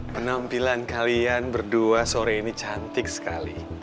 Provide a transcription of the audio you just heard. penampilan kalian berdua sore ini cantik sekali